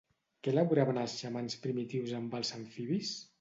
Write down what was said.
Què elaboraven els xamans primitius amb els amfibis?